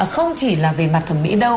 không chỉ là về mặt thẩm mỹ đâu